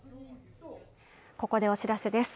ここでお知らせです。